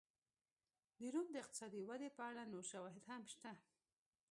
د روم د اقتصادي ودې په اړه نور شواهد هم شته